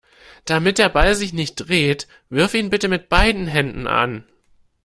Damit der Ball sich nicht dreht, wirf ihn bitte mit beiden Händen an.